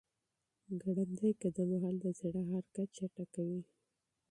ګړندی قدم وهل د زړه حرکت چټکوي.